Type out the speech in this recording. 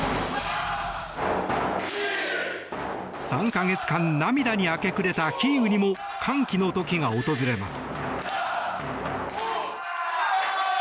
３か月間、涙に明け暮れたキーウにも歓喜の時が訪れます。